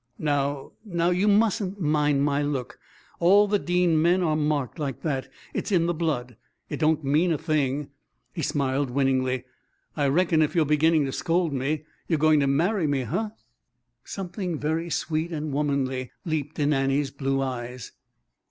"Now, now you mustn't mind my look. All the Dean men are marked like that; it's in the blood. It don't mean a thing." He smiled winningly. "I reckon if you're beginning to scold me you're going to marry me, huh?" Something very sweet and womanly leaped in Annie's blue eyes.